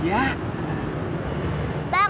gila ini udah berhasil